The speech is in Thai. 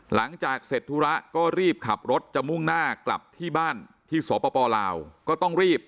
หลังจากเสร็จธุระก็รีบขับรถจะมุ่งหน้ากลับที่บ้านที่สปลาวก็ต้องรีบ